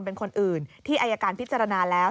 เป็นคนอื่นที่อายการพิจารณาแล้ว